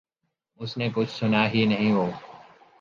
اس نے کچھ سنا ہی نہیں ہو۔